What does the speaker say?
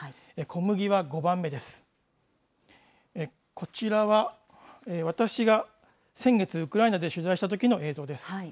こちらは、私が先月ウクライナで取材したときの映像です。